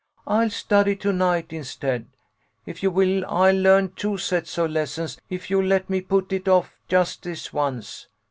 "I'll study to night instead, if you will. I'll learn two sets of lessons if you'll let me put it off just this once."